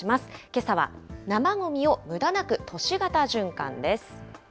けさは、生ごみをムダ無く都市型循環です。